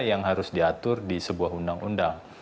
yang harus diatur di sebuah undang undang